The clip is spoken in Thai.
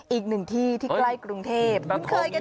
อีก๑ที่ที่ใกล้กรุงเทพปฐมชุมราย